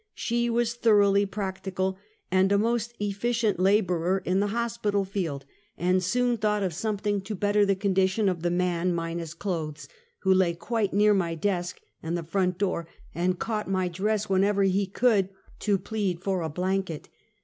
She was thoroughly practical, and a most eflScient laborer in the hospital field, and soon thought of something to better the condition of the man minus clothes, who lay quite near my desk and the front door, and caught my dress whenever he could, to plead for a blanket.